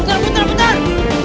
bentar bentar bentar